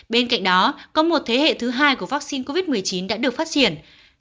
bên cạnh đó có một thế hệ thứ hai của vaccine covid một mươi chín đã được phát triển